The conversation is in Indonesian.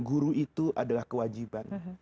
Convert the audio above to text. guru itu adalah kewajiban